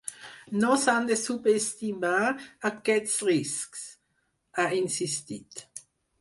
“No s’han de subestimar, aquests riscs”, ha insistit.